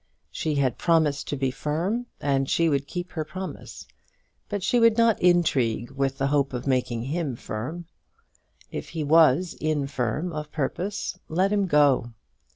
She had promised to be firm, and she would keep her promise; but she would not intrigue with the hope of making him firm. If he was infirm of purpose, let him go.